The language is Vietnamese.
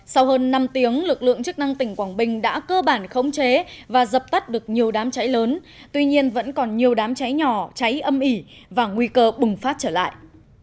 sau hơn năm tiếng lực lượng chức năng tỉnh quảng bình đã cơ bản khống chế và dập tắt được nhiều đám cháy lớn tuy nhiên vẫn còn nhiều đám cháy nhỏ cháy âm ỉ và nguy cơ bùng phát trở lại